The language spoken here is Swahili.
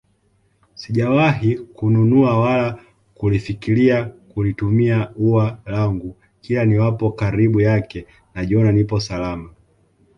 Sijawahi kununua wala kulifikilia kulituma ua langu kila niwapo karibu yake najiona nipo salama